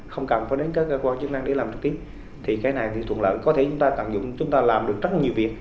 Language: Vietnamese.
không cần phải đến các cơ quan chức năng để làm trực tiếp thì cái này thì thuận lợi có thể chúng ta tận dụng chúng ta làm được rất nhiều việc